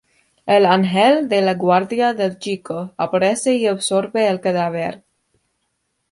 El ángel de la guarda del chico aparece y absorbe el cadáver.